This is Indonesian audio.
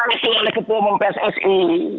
diikuti oleh ketua umum pssi